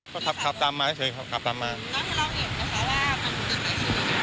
ก็ทับตามมาเฉยครับตามมา